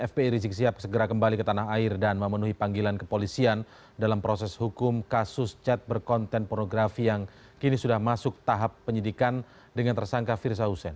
fpi rizik sihab segera kembali ke tanah air dan memenuhi panggilan kepolisian dalam proses hukum kasus chat berkonten pornografi yang kini sudah masuk tahap penyidikan dengan tersangka firza hussein